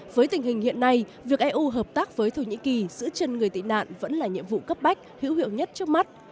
với tình hình hiện nay việc eu hợp tác với thổ nhĩ kỳ giữ chân người tị nạn vẫn là nhiệm vụ cấp bách hữu hiệu nhất trước mắt